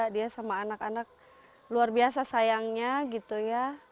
dia sama anak anak luar biasa sayangnya gitu ya